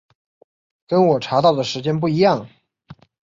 跟我查到的时间不一样